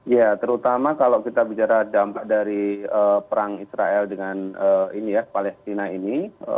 ya terutama kalau kita bicara dampak dari perang israel dengan palestina ini